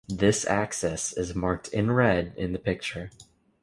This axis is marked in "red" in the picture.